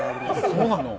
そうなの？